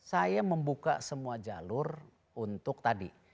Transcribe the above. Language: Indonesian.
saya membuka semua jalur untuk tadi